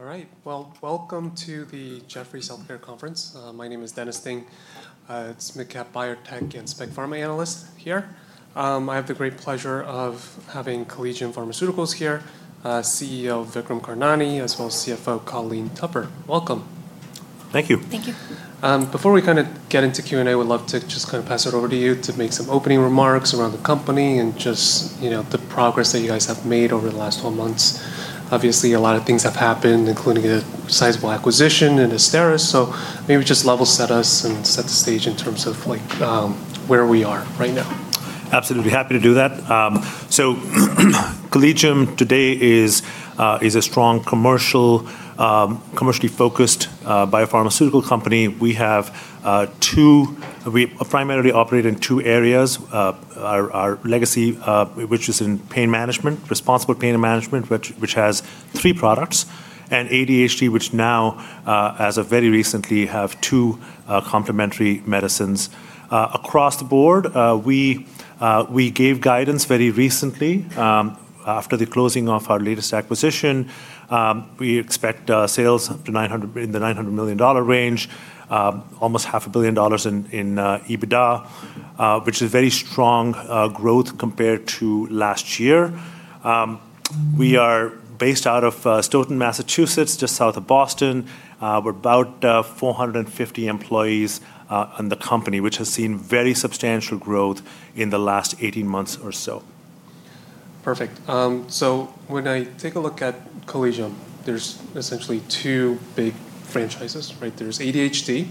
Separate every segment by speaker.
Speaker 1: All right. Well, welcome to the Jefferies Healthcare Conference. My name is Dennis Ding. I'm mid-cap biotech and spec pharma analyst here. I have the great pleasure of having Collegium Pharmaceutical here, CEO Vikram Karnani, as well as CFO Colleen Tupper. Welcome.
Speaker 2: Thank you.
Speaker 3: Thank you.
Speaker 1: Before we get into Q&A, would love to just pass it over to you to make some opening remarks around the company just the progress that you guys have made over the last 12 months. Obviously, a lot of things have happened, including a sizable acquisition in AZSTARYS, so maybe just level set us and set the stage in terms of where we are right now.
Speaker 2: Absolutely. Happy to do that. Collegium today is a strong, commercially focused biopharmaceutical company. We primarily operate in two areas. Our legacy, which is in pain management, responsible pain management, which has three products, and ADHD, which now, as of very recently, have two complementary medicines. Across the board, we gave guidance very recently, after the closing of our latest acquisition. We expect sales up to in the $900 million range. Almost half a billion dollars in EBITDA, which is very strong growth compared to last year. We are based out of Stoughton, Massachusetts, just south of Boston. We are about 450 employees in the company, which has seen very substantial growth in the last 18 months or so.
Speaker 1: Perfect. When I take a look at Collegium, there's essentially two big franchises, right? There's ADHD.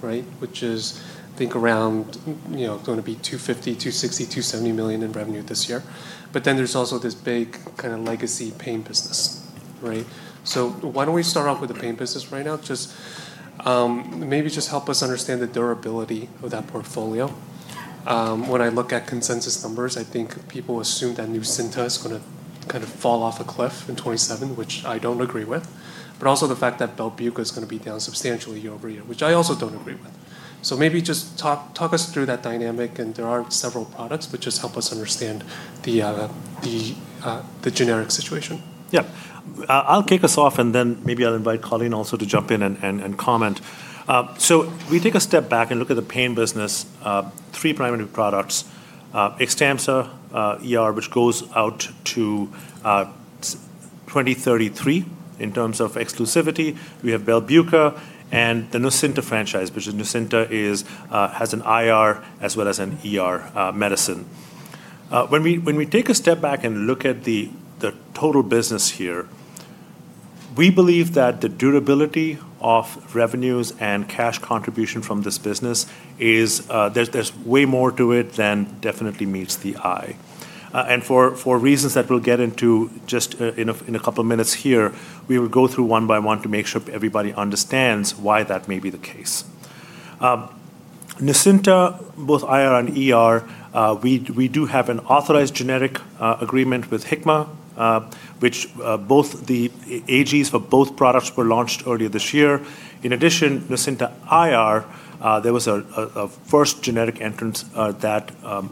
Speaker 1: Right, which is, think, around going to be $250 million, $260 million, $270 million in revenue this year. There's also this big legacy pain business. Right? Why don't we start off with the pain business right now? Just maybe just help us understand the durability of that portfolio. When I look at consensus numbers, I think people assume that NUCYNTA is going to fall off a cliff in 2027, which I don't agree with, but also the fact that BELBUCA is going to be dive substantially year-over-year, which I also don't agree with. Maybe just talk us through that dynamic, and there are several products, but just help us understand the generic situation.
Speaker 2: Yeah. I'll kick us off, then maybe I'll invite Colleen also to jump in and comment. We take a step back and look at the pain business. Three primary products. XTAMPZA ER, which goes out to 2033 in terms of exclusivity. We have BELBUCA and the NUCYNTA franchise, which NUCYNTA has an IR as well as an ER medicine. When we take a step back and look at the total business here, we believe that the durability of revenues and cash contribution from this business is there's way more to it than definitely meets the eye. For reasons that we'll get into just in a couple of minutes here, we will go through one by one to make sure everybody understands why that may be the case. NUCYNTA, both IR and ER, we do have an authorized generic agreement with Hikma, which both the AGs for both products were launched earlier this year. NUCYNTA IR, there was a first generic entrant that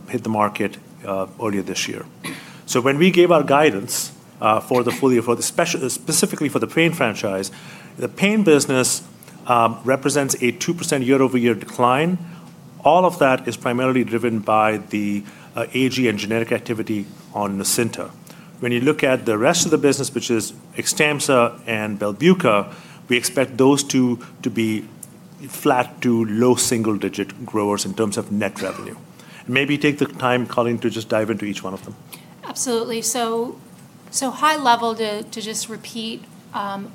Speaker 2: hit the market earlier this year. When we gave our guidance specifically for the pain franchise, the pain business represents a 2% year-over-year decline. All of that is primarily driven by the AG and generic activity on NUCYNTA. You look at the rest of the business, which is XTAMPZA and BELBUCA, we expect those two to be flat to low single-digit growers in terms of net revenue. Take the time, Colleen, to just dive into each one of them.
Speaker 3: Absolutely. High level, to just repeat,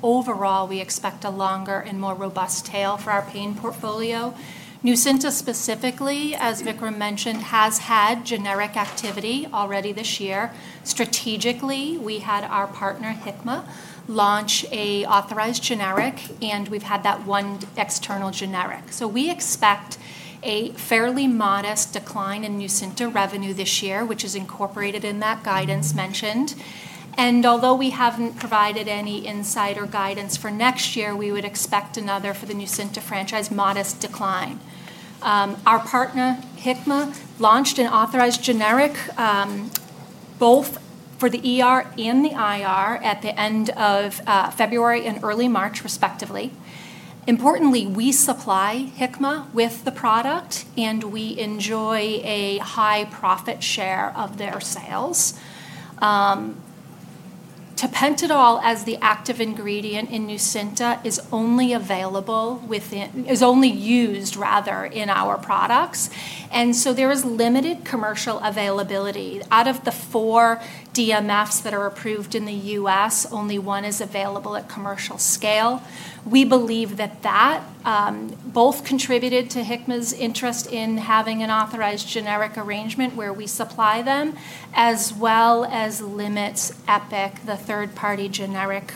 Speaker 3: overall, we expect a longer and more robust tail for our pain portfolio. NUCYNTA specifically, as Vikram mentioned, has had generic activity already this year. Strategically, we had our partner, Hikma, launch a authorized generic, and we've had that one external generic. We expect a fairly modest decline in NUCYNTA revenue this year, which is incorporated in that guidance mentioned. Although we haven't provided any insight or guidance for next year, we would expect another, for the NUCYNTA franchise, modest decline. Our partner, Hikma, launched an authorized generic, both for the ER and the IR, at the end of February and early March respectively. Importantly, we supply Hikma with the product, and we enjoy a high profit share of their sales. tapentadol as the active ingredient in NUCYNTA is only used in our products, there is limited commercial availability. Out of the four DMFs that are approved in the U.S., only one is available at commercial scale. We believe that both contributed to Hikma's interest in having an authorized generic arrangement where we supply them, as well as limits Epic, the third-party generic,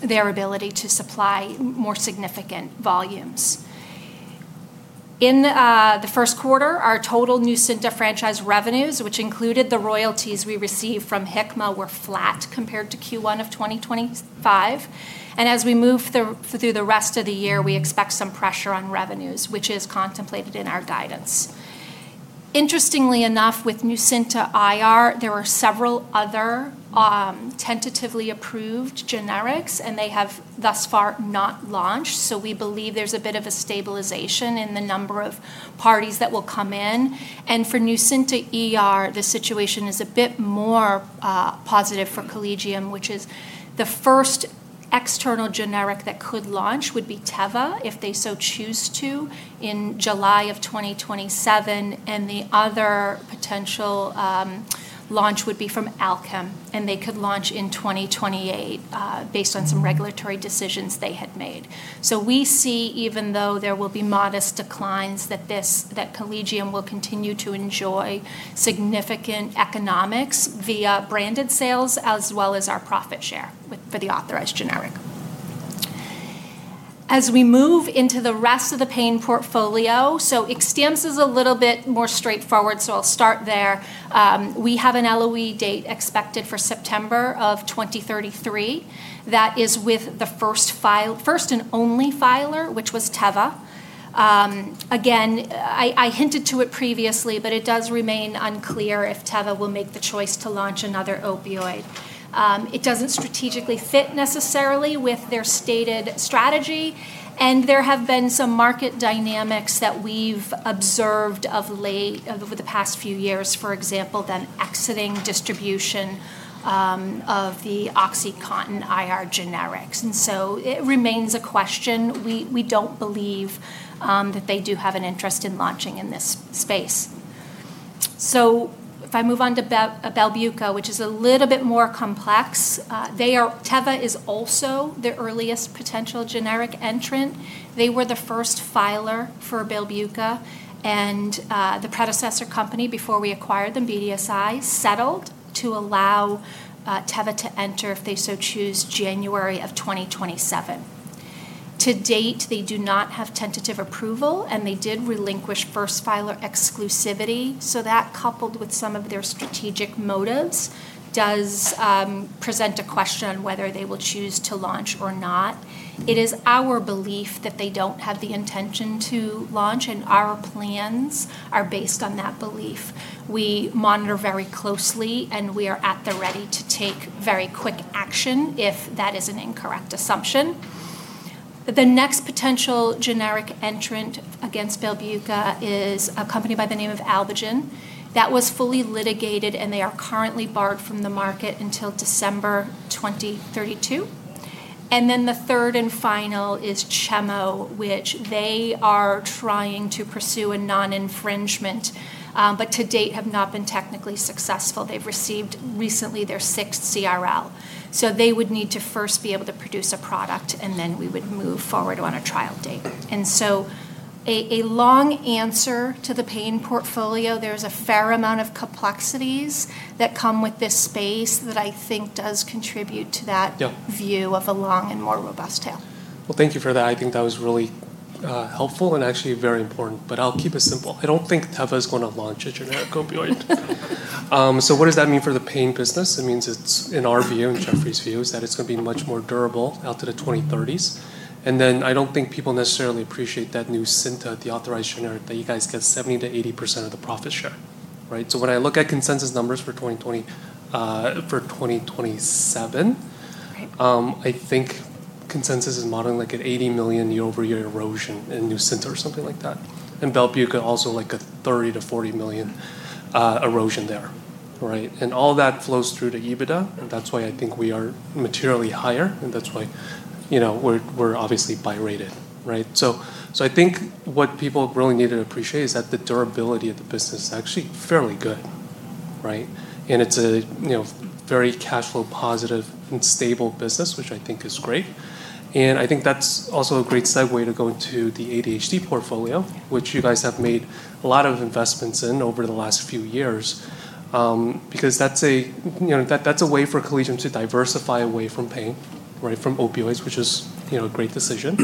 Speaker 3: their ability to supply more significant volumes. In the Q1, our total NUCYNTA franchise revenues, which included the royalties we received from Hikma, were flat compared to Q1 of 2025. As we move through the rest of the year, we expect some pressure on revenues, which is contemplated in our guidance. Interestingly enough, with NUCYNTA IR, there are several other tentatively approved generics, they have thus far not launched. We believe there's a bit of a stabilization in the number of parties that will come in. For NUCYNTA ER, the situation is a bit more positive for Collegium, which is the first external generic that could launch would be Teva, if they so choose to, in July of 2027. The other potential launch would be from Alkem, and they could launch in 2028 based on some regulatory decisions they had made. We see even though there will be modest declines, that Collegium will continue to enjoy significant economics via branded sales, as well as our profit share for the authorized generic. As we move into the rest of the pain portfolio, so XTAMPZA is a little bit more straightforward, so I'll start there. We have an LOE date expected for September of 2033. That is with the first and only filer, which was Teva. I hinted to it previously, but it does remain unclear if Teva will make the choice to launch another opioid. It doesn't strategically fit necessarily with their stated strategy, and there have been some market dynamics that we've observed of late, over the past few years, for example, them exiting distribution of the OxyContin IR generics. It remains a question. We don't believe that they do have an interest in launching in this space. If I move on to Belbuca, which is a little bit more complex. Teva is also the earliest potential generic entrant. They were the first filer for Belbuca, and the predecessor company, before we acquired them, BDSI, settled to allow Teva to enter, if they so choose, January of 2027. To date, they do not have tentative approval, and they did relinquish first filer exclusivity, so that, coupled with some of their strategic motives, does present a question on whether they will choose to launch or not. It is our belief that they don't have the intention to launch, and our plans are based on that belief. We monitor very closely, and we are at the ready to take very quick action if that is an incorrect assumption. The next potential generic entrant against BELBUCA is a company by the name of Alvogen. That was fully litigated, and they are currently barred from the market until December 2032. The third and final is Chemo, which they are trying to pursue a non-infringement, but to date have not been technically successful. They've received recently their sixth CRL. They would need to first be able to produce a product. We would move forward on a trial date. A long answer to the pain portfolio. There's a fair amount of complexities that come with this space that I think does contribute to that.
Speaker 1: Yeah.
Speaker 3: View of a long and more robust tail.
Speaker 1: Well, thank you for that. I think that was really helpful and actually very important. I'll keep it simple. I don't think Teva's going to launch a generic opioid. What does that mean for the pain business? It means it's, in our view, in Jefferies' view, is that it's going to be much more durable out to the 2030s. I don't think people necessarily appreciate that NUCYNTA, the authorized generic, that you guys get 70%-80% of the profit share. Right? When I look at consensus numbers for 2027.
Speaker 3: Right.
Speaker 1: I think consensus is modeling like an $80 million year-over-year erosion in NUCYNTA or something like that. In BELBUCA, also a $30 million-$40 million erosion there. Right? All that flows through to EBITDA, that's why I think we are materially higher, that's why we're obviously buy rated. Right? I think what people really need to appreciate is that the durability of the business is actually fairly good. Right? It's a very cash flow positive and stable business, which I think is great, I think that's also a great segue to go into the ADHD portfolio, which you guys have made a lot of investments in over the last few years. That's a way for Collegium to diversify away from pain, away from opioids, which is a great decision.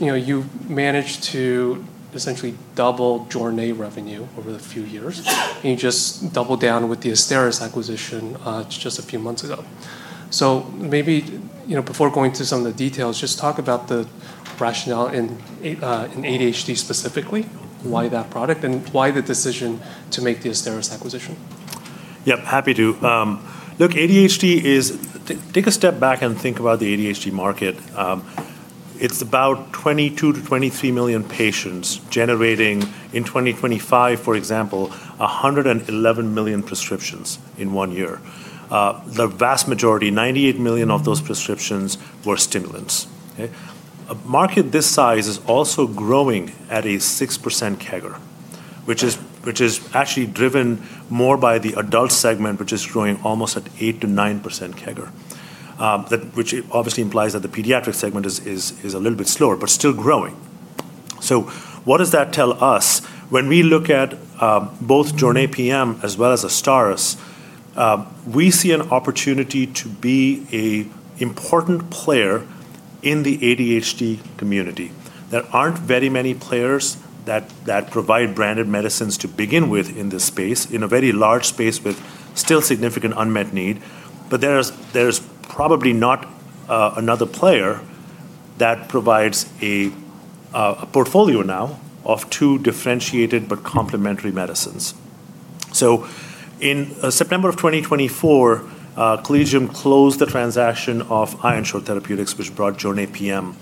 Speaker 1: You've managed to essentially double JORNAY revenue over the few years, and you just doubled down with the AZSTARYS acquisition just a few months ago. Maybe, before going through some of the details, just talk about the rationale in ADHD specifically, why that product, and why the decision to make the AZSTARYS acquisition?
Speaker 2: Yep, happy to. Look, take a step back and think about the ADHD market. It's about 22 million-23 million patients generating, in 2025, for example, 111 million prescriptions in one year. The vast majority, 98 million of those prescriptions were stimulants. Okay. A market this size is also growing at a 6% CAGR, which is actually driven more by the adult segment, which is growing almost at 8%-9% CAGR, Which obviously implies that the pediatric segment is a little bit slower, but still growing. What does that tell us? When we look at both JORNAY PM as well as AZSTARYS, we see an opportunity to be an important player in the ADHD community. There aren't very many players that provide branded medicines to begin with in this space, in a very large space with still significant unmet need. There's probably not another player that provides a portfolio now of two differentiated but complementary medicines. In September of 2024, Collegium closed the transaction of Ironshore Therapeutics, which brought JORNAY PM.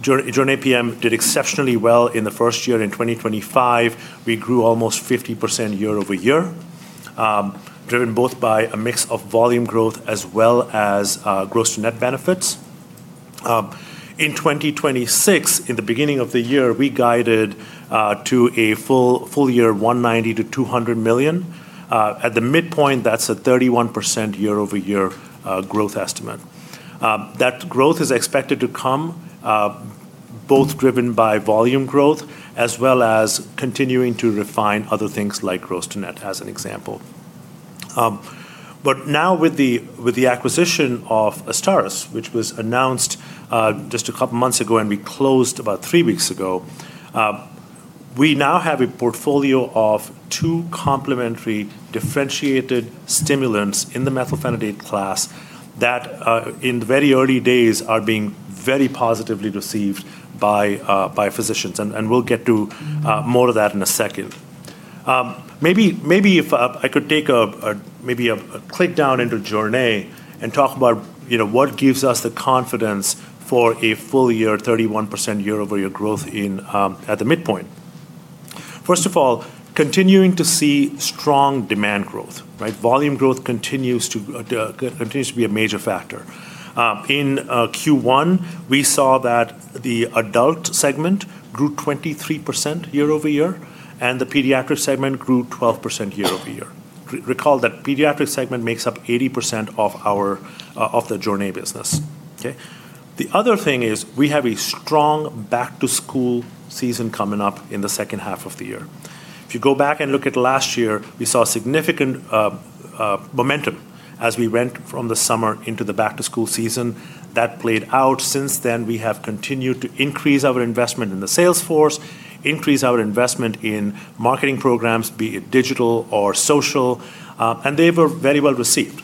Speaker 2: JORNAY PM did exceptionally well in the first year. In 2025, we grew almost 50% year-over-year, driven both by a mix of volume growth as well as gross to net benefits. In 2026, in the beginning of the year, we guided to a full year $190 million-$200 million. At the midpoint, that's a 31% year-over-year growth estimate. That growth is expected to come both driven by volume growth as well as continuing to refine other things like gross to net, as an example. Now with the acquisition of AZSTARYS, which was announced just a couple of months ago and we closed about three weeks ago, we now have a portfolio of two complementary differentiated stimulants in the methylphenidate class that in the very early days are being very positively received by physicians. We'll get to more of that in a second. Maybe if I could take maybe a quick down into JORNAY and talk about what gives us the confidence for a full year, 31% year-over-year growth at the midpoint. First of all, continuing to see strong demand growth. Volume growth continues to be a major factor. In Q1, we saw that the adult segment grew 23% year-over-year, and the pediatric segment grew 12% year-over-year. Recall that pediatric segment makes up 80% of the JORNAY business. The other thing is we have a strong back-to-school season coming up in the second half of the year. If you go back and look at last year, we saw significant momentum as we went from the summer into the back-to-school season. That played out. Since then, we have continued to increase our investment in the sales force, increase our investment in marketing programs, be it digital or social. They were very well-received.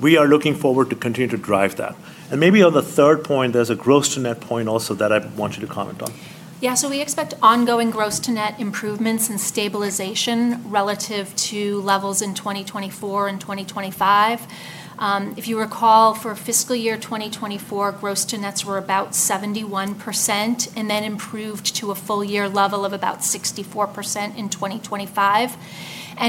Speaker 2: We are looking forward to continue to drive that. Maybe on the third point, there's a gross to net point also that I want you to comment on.
Speaker 3: We expect ongoing gross to net improvements and stabilization relative to levels in 2024 and 2025. If you recall, for fiscal year 2024, gross to nets were about 71% and then improved to a full year level of about 64% in 2025.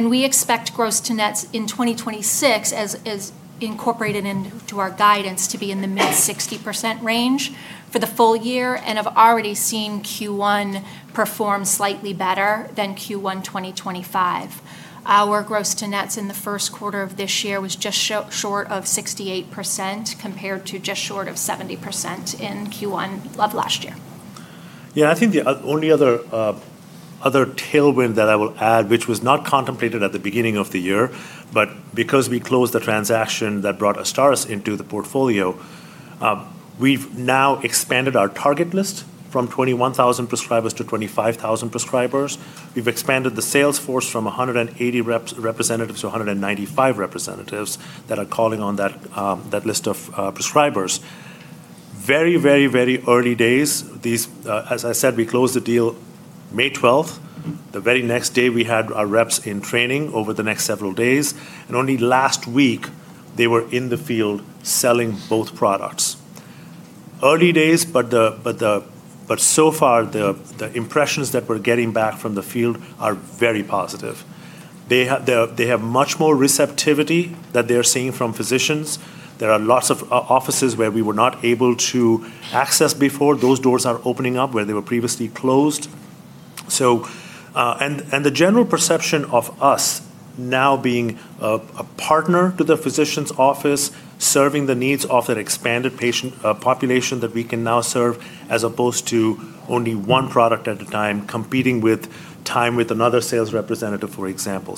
Speaker 3: We expect gross to nets in 2026, as incorporated into our guidance, to be in the mid 60% range for the full year and have already seen Q1 perform slightly better than Q1 2025. Our gross to nets in the Q1 of this year was just short of 68%, compared to just short of 70% in Q1 of last year.
Speaker 2: I think the only other tailwind that I will add, which was not contemplated at the beginning of the year, because we closed the transaction that brought AZSTARYS into the portfolio, we've now expanded our target list from 21,000 prescribers to 25,000 prescribers. We've expanded the sales force from 180 representatives to 195 representatives that are calling on that list of prescribers. Very early days. As I said, we closed the deal May 12th. The very next day, we had our reps in training over the next several days, only last week they were in the field selling both products. Early days, so far, the impressions that we're getting back from the field are very positive. They have much more receptivity that they're seeing from physicians. There are lots of offices where we were not able to access before. Those doors are opening up where they were previously closed. The general perception of us now being a partner to the physician's office, serving the needs of that expanded patient population that we can now serve, as opposed to only one product at a time competing with time with another sales representative, for example.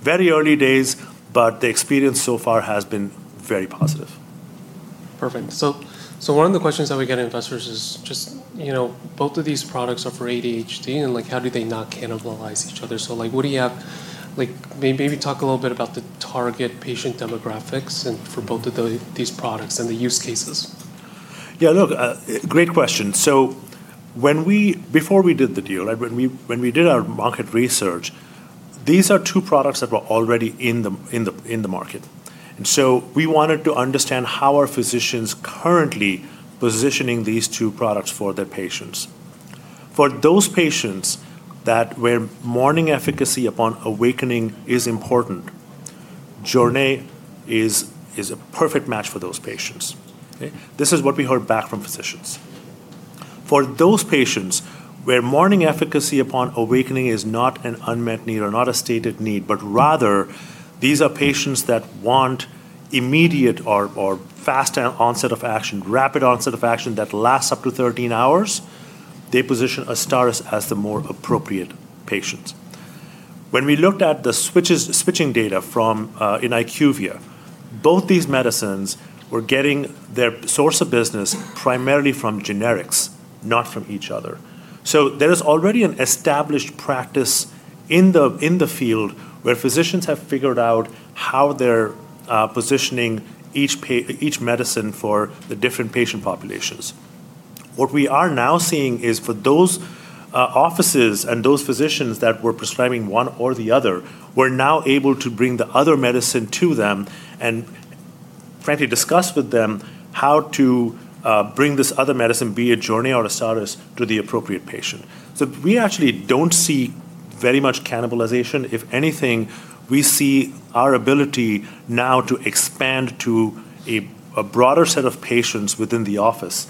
Speaker 2: Very early days, but the experience so far has been very positive.
Speaker 1: Perfect. One of the questions that we get investors is just both of these products are for ADHD, and how do they not cannibalize each other? Maybe talk a little bit about the target patient demographics and for both of these products and the use cases.
Speaker 2: Yeah, look, great question. Before we did the deal, when we did our market research, these are two products that were already in the market. We wanted to understand how are physicians currently positioning these two products for their patients. For those patients that where morning efficacy upon awakening is important, JORNAY is a perfect match for those patients. This is what we heard back from physicians. For those patients where morning efficacy upon awakening is not an unmet need or not a stated need, but rather these are patients that want immediate or fast onset of action, rapid onset of action that lasts up to 13 hours, they position AZSTARYS as the more appropriate patients. When we looked at the switching data from in IQVIA, both these medicines were getting their source of business primarily from generics, not from each other. There is already an established practice in the field where physicians have figured out how they're positioning each medicine for the different patient populations. What we are now seeing is for those offices and those physicians that were prescribing one or the other, we're now able to bring the other medicine to them and frankly, discuss with them how to bring this other medicine, be it JORNAY PM or AZSTARYS, to the appropriate patient. We actually don't see very much cannibalization. If anything, we see our ability now to expand to a broader set of patients within the office.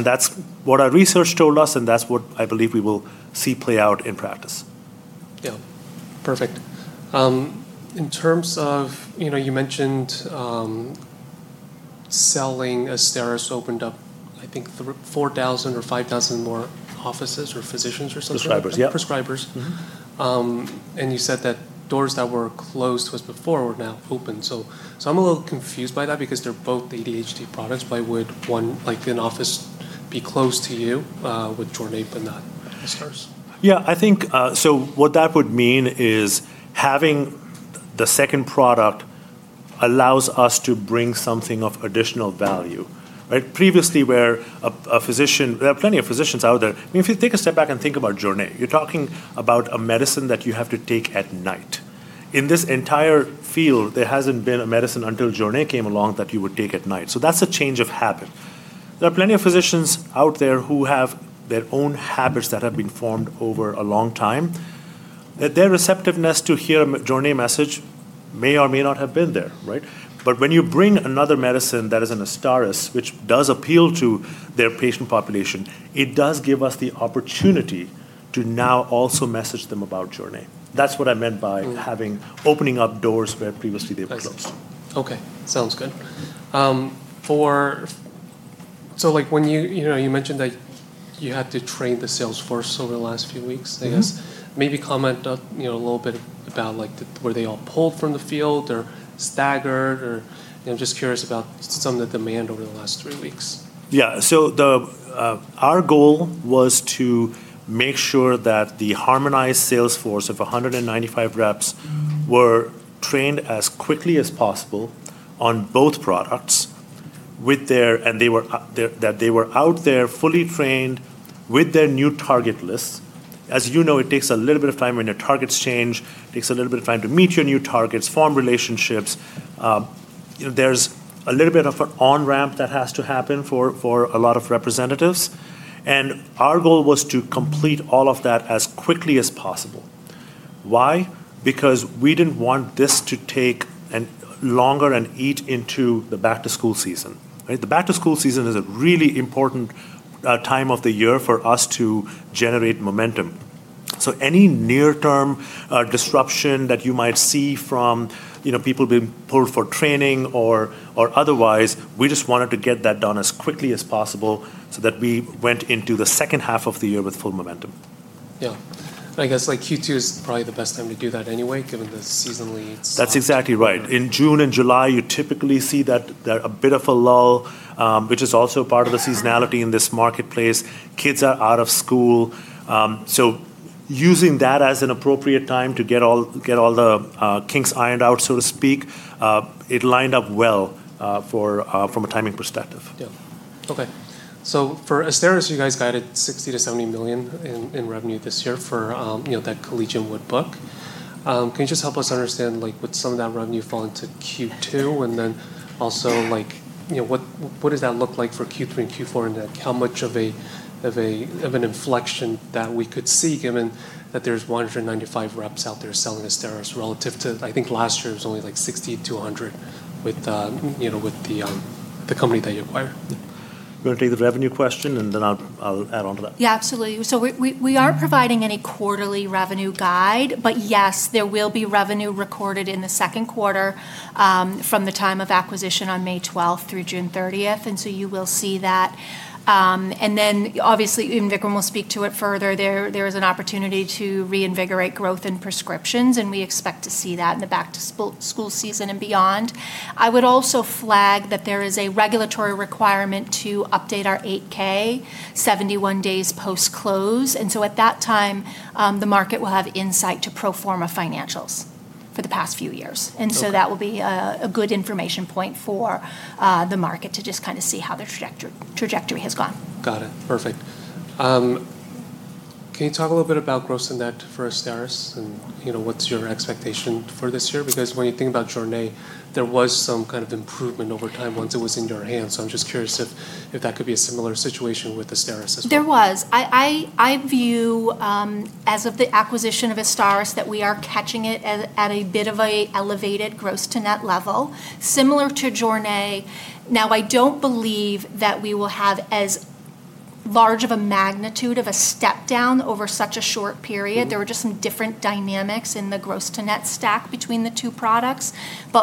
Speaker 2: That's what our research told us, and that's what I believe we will see play out in practice.
Speaker 1: Yeah. Perfect. You mentioned selling AZSTARYS opened up, I think, 4,000 or 5,000 more offices or physicians or something.
Speaker 2: Prescribers. Yeah.
Speaker 1: Prescribers. You said that doors that were closed to us before were now open. I'm a little confused by that because they're both ADHD products. Why would one office be closed to you with JORNAY but not AZSTARYS?
Speaker 2: Yeah. What that would mean is having the second product allows us to bring something of additional value, right? There are plenty of physicians out there. If you take a step back and think about JORNAY, you're talking about a medicine that you have to take at night. In this entire field, there hasn't been a medicine until JORNAY came along that you would take at night. That's a change of habit. There are plenty of physicians out there who have their own habits that have been formed over a long time, that their receptiveness to hear a JORNAY message may or may not have been there, right? When you bring another medicine that is in AZSTARYS, which does appeal to their patient population, it does give us the opportunity to now also message them about JORNAY. That's what I meant by opening up doors where previously they were closed.
Speaker 1: Okay. Sounds good. You mentioned that you had to train the sales force over the last few weeks, I guess. Maybe comment a little bit about were they all pulled from the field or staggered or? I'm just curious about some of the demand over the last three weeks.
Speaker 2: Our goal was to make sure that the harmonized sales force of 195 reps were trained as quickly as possible on both products, that they were out there fully trained with their new target lists. As you know, it takes a little bit of time when your targets change, it takes a little bit of time to meet your new targets, form relationships. There's a little bit of an on-ramp that has to happen for a lot of representatives, our goal was to complete all of that as quickly as possible. Why? Because we didn't want this to take longer and eat into the back-to-school season, right? The back-to-school season is a really important time of the year for us to generate momentum. Any near-term disruption that you might see from people being pulled for training or otherwise, we just wanted to get that done as quickly as possible so that we went into the second half of the year with full momentum.
Speaker 1: Yeah. I guess Q2 is probably the best time to do that anyway, given the seasonally soft-
Speaker 2: That's exactly right. In June and July, you typically see a bit of a lull, which is also part of the seasonality in this marketplace. Kids are out of school. Using that as an appropriate time to get all the kinks ironed out, so to speak, it lined up well from a timing perspective.
Speaker 1: Okay. For AZSTARYS, you guys guided $60 million-$70 million in revenue this year for that Collegium would book. Can you just help us understand would some of that revenue fall into Q2? Also, what does that look like for Q3 and Q4, and how much of an inflection that we could see given that there's 195 reps out there selling AZSTARYS relative to, I think last year was only like 60-100 with the company that you acquired?
Speaker 2: You want to take the revenue question, and then I'll add on to that?
Speaker 3: Yeah, absolutely. We aren't providing any quarterly revenue guide, but yes, there will be revenue recorded in the Q2 from the time of acquisition on May 12th through June 30th. You will see that. Obviously, and Vikram will speak to it further, there is an opportunity to reinvigorate growth in prescriptions, and we expect to see that in the back-to-school season and beyond. I would also flag that there is a regulatory requirement to update our 8-K 71 days post-close. At that time, the market will have insight to pro forma financials for the past few years.
Speaker 1: Okay.
Speaker 3: That will be a good information point for the market to just see how their trajectory has gone.
Speaker 1: Got it. Perfect. Can you talk a little bit about gross and net for AZSTARYS and what's your expectation for this year? When you think about JORNAY PM, there was some kind of improvement over time once it was in your hands. I'm just curious if that could be a similar situation with AZSTARYS as well.
Speaker 3: There was. I view, as of the acquisition of AZSTARYS, that we are catching it at a bit of a elevated gross-to-net level, similar to JORNAY PM. Now, I don't believe that we will have as large of a magnitude of a step down over such a short period. There were just some different dynamics in the gross-to-net stack between the two products.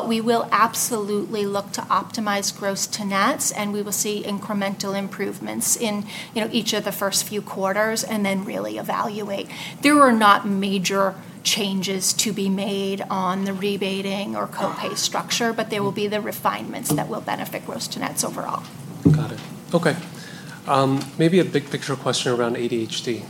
Speaker 3: We will absolutely look to optimize gross-to-nets, and we will see incremental improvements in each of the first few quarters, and then really evaluate. There are not major changes to be made on the rebating or co-pay structure, but there will be the refinements that will benefit gross-to-nets overall.
Speaker 1: Got it. Okay. Maybe a big picture question around ADHD.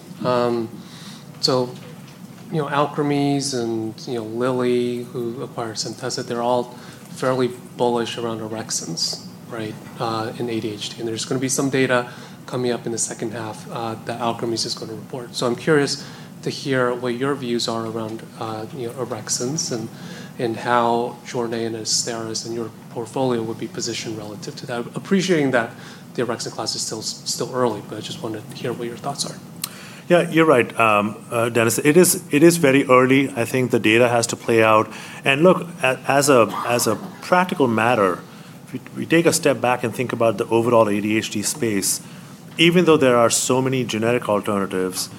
Speaker 1: Alkermes and Lilly, who acquired Centessa, they're all fairly bullish around orexins in ADHD, and there's going to be some data coming up in the second half that Alkermes is going to report. I'm curious to hear what your views are around orexins, and how JORNAY PM and AZSTARYS in your portfolio would be positioned relative to that. Appreciating that the orexin class is still early, but I just want to hear what your thoughts are.
Speaker 2: Yeah, you're right, Dennis. It is very early. I think the data has to play out. Look, as a practical matter, if we take a step back and think about the overall ADHD space, even though there are so many generic alternatives,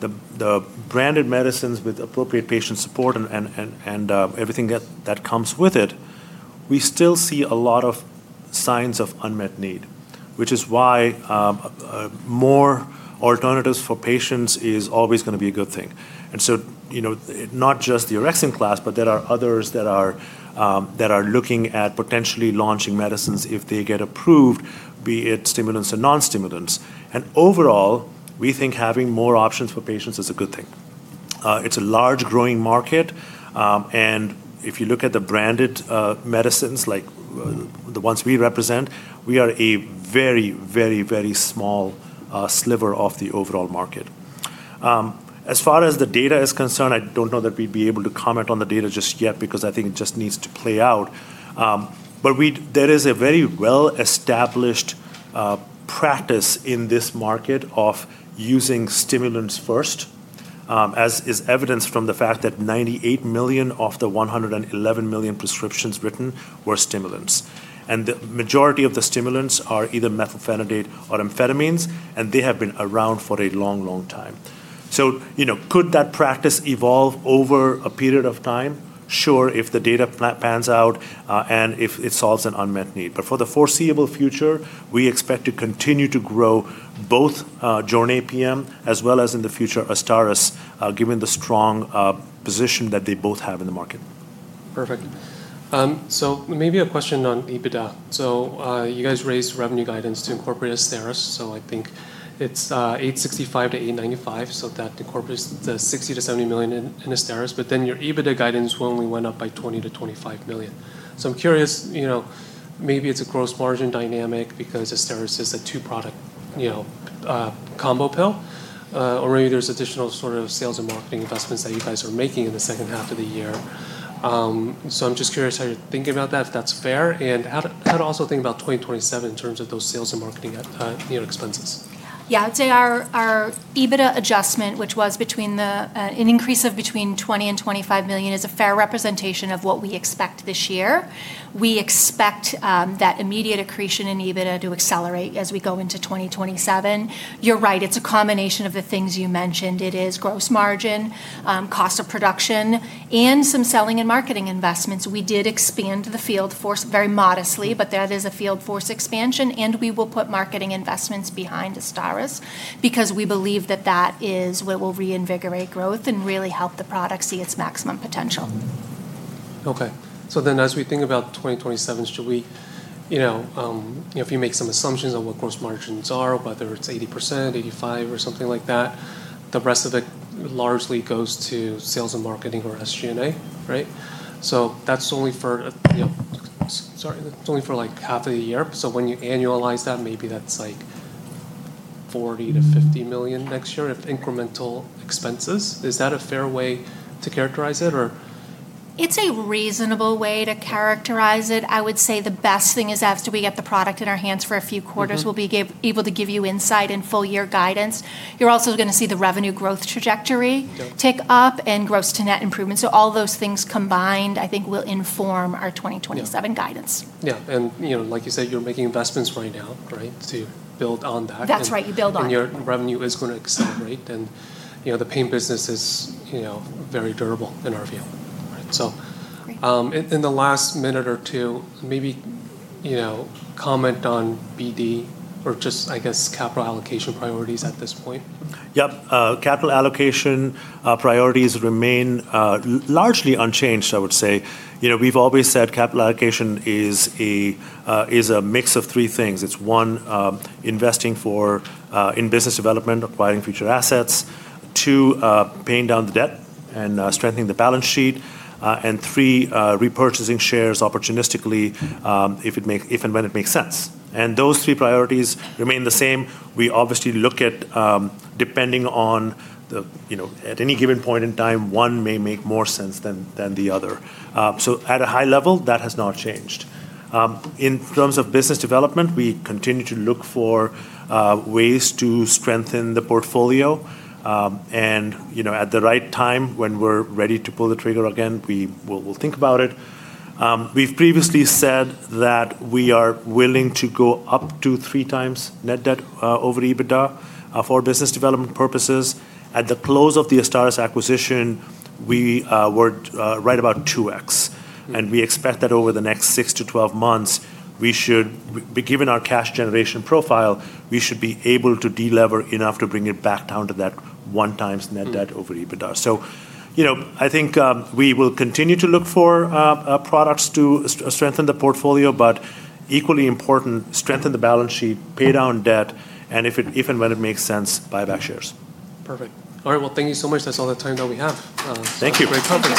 Speaker 2: the branded medicines with appropriate patient support and everything that comes with it, we still see a lot of signs of unmet need. Which is why more alternatives for patients is always going to be a good thing. Not just the orexin class, but there are others that are looking at potentially launching medicines if they get approved, be it stimulants or non-stimulants. Overall, we think having more options for patients is a good thing. It's a large growing market. If you look at the branded medicines like the ones we represent, we are a very, very, very small sliver of the overall market. As far as the data is concerned, I don't know that we'd be able to comment on the data just yet, Because I think it just needs to play out. There is a very well-established practice in this market of using stimulants first, as is evidenced from the fact that 98 million of the 111 million prescriptions written were stimulants. The majority of the stimulants are either methylphenidate or amphetamines, and they have been around for a long, long time. Could that practice evolve over a period of time? Sure, if the data pans out and if it solves an unmet need. For the foreseeable future, we expect to continue to grow both JORNAY PM as well as, in the future, AZSTARYS, given the strong position that they both have in the market.
Speaker 1: Perfect. Maybe a question on EBITDA. You guys raised revenue guidance to incorporate AZSTARYS, I think it's $865 million-$895 million, that incorporates the $60 million-$70 million in AZSTARYS. Your EBITDA guidance only went up by $20 million-$25 million. I'm curious, maybe it's a gross margin dynamic because AZSTARYS is a two-product combo pill, or maybe there's additional sort of sales and marketing investments that you guys are making in the second half of the year. I'm just curious how you're thinking about that, if that's fair, and how to also think about 2027 in terms of those sales and marketing expenses.
Speaker 3: I'd say our EBITDA adjustment, which was an increase of between $20 million and $25 million, is a fair representation of what we expect this year. We expect that immediate accretion in EBITDA to accelerate as we go into 2027. You're right, it's a combination of the things you mentioned. It is gross margin, cost of production, and some selling and marketing investments. We did expand the field force very modestly, but that is a field force expansion, and we will put marketing investments behind AZSTARYS because we believe that that is what will reinvigorate growth and really help the product see its maximum potential.
Speaker 1: Okay. As we think about 2027, if you make some assumptions on what gross margins are, whether it's 80%, 85, or something like that, the rest of it largely goes to sales and marketing or SG&A, right? That's only for, sorry, that's only for half a year. When you annualize that, maybe that's $40 million-$50 million next year of incremental expenses. Is that a fair way to characterize it?
Speaker 3: It's a reasonable way to characterize it. I would say the best thing is after we get the product in our hands for a few quarters. We'll be able to give you insight and full-year guidance. You're also going to see the revenue growth trajectory.
Speaker 1: Okay.
Speaker 3: Tick up and gross to net improvements. All those things combined, I think, will inform our 2027,
Speaker 1: Yeah.
Speaker 3: Guidance.
Speaker 1: Yeah. Like you said, you're making investments right now to build on that.
Speaker 3: That's right, you build on it.
Speaker 1: Your revenue is going to accelerate, and the pain business is very durable in our view.
Speaker 3: Great.
Speaker 1: In the last minute or two, maybe comment on BD or just, I guess, capital allocation priorities at this point.
Speaker 2: Yep. Capital allocation priorities remain largely unchanged, I would say. We've always said capital allocation is a mix of three things. It's, one, investing in business development, acquiring future assets. Two, paying down the debt and strengthening the balance sheet. Three, repurchasing shares opportunistically if and when it makes sense. Those three priorities remain the same. We obviously look at, depending on at any given point in time, one may make more sense than the other. At a high level, that has not changed. In terms of business development, we continue to look for ways to strengthen the portfolio. At the right time, when we're ready to pull the trigger again, we'll think about it. We've previously said that we are willing to go up to 3x net debt over EBITDA for business development purposes. At the close of the AZSTARYS acquisition, we were right about 2x. We expect that over the next 6-12 months, given our cash generation profile, we should be able to delever enough to bring it back down to that 1x net debt over EBITDA. I think we will continue to look for products to strengthen the portfolio, but equally important, strengthen the balance sheet, pay down debt, and if and when it makes sense, buy back shares.
Speaker 1: Perfect. All right, well, thank you so much. That's all the time that we have.
Speaker 2: Thank you.
Speaker 1: Great conference.